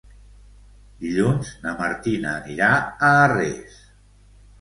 Dilluns na Martina anirà a Arres.